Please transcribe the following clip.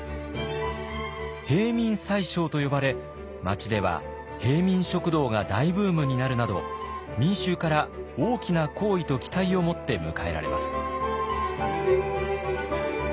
平民宰相と呼ばれ町では平民食堂が大ブームになるなど民衆から大きな好意と期待をもって迎えられます。